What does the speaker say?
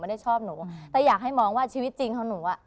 ได้ชอบหนูแต่อยากให้มองว่าชีวิตจริงของหนูอ่ะ